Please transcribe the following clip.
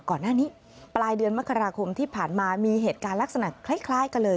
ก่อนหน้านี้ปลายเดือนมกราคมที่ผ่านมามีเหตุการณ์ลักษณะคล้ายกันเลย